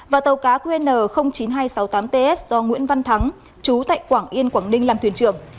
và tàu cá qn chín nghìn hai trăm sáu mươi tám ts do nguyễn văn thắng chú tại quảng yên quảng ninh làm thuyền trưởng